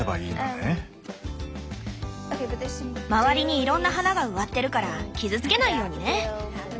周りにいろんな花が植わってるから傷つけないようにね！